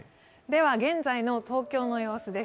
現在の東京の様子です。